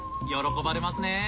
喜ばれますね。